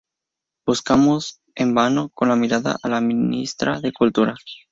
Buscamos en vano con la mirada a la ministra de Cultura.